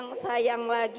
apa yang jadi